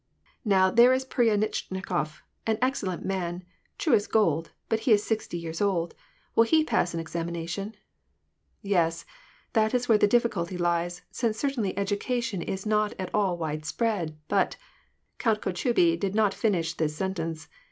" Now, there is Pryanitchnikof, an excellent nv^n, true as gold, but he is sixty years old : will he pass an examination ?"" Yes : that is where the difficulty lies, since certainly edu cation is not at all wide spread, but "— Count Kotchubey did not finish his sentence.